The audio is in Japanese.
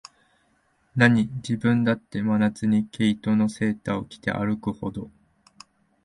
なに、自分だって、真夏に毛糸のセーターを着て歩くほど、